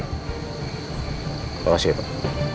terima kasih pak